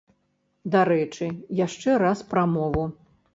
Дарэчы, яшчэ раз пра мову.